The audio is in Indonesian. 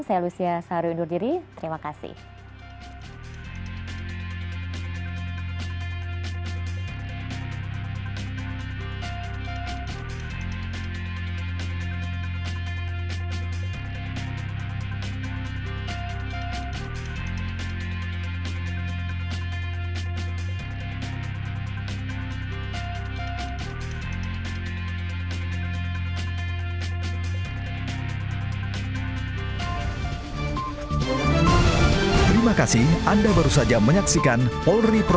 saya lucia saru indur diri